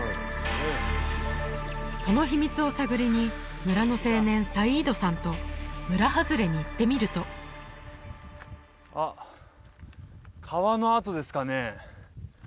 その秘密を探りに村の青年サイードさんと村外れに行ってみるとあっ川の跡ですかね？